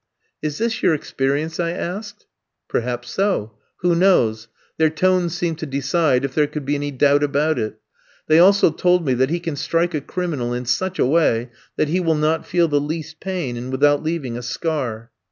"Is this your experience?" I asked. Perhaps so. Who knows? Their tone seemed to decide, if there could be any doubt about it. They also told me that he can strike a criminal in such a way that he will not feel the least pain, and without leaving a scar.